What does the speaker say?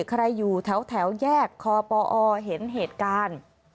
ใครอยู่แถวแยกคอปอเห็นเหตุการณ์